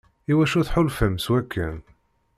Iwacu tḥulfam s wakken?